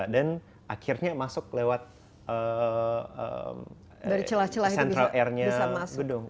dan akhirnya masuk lewat central air nya gedung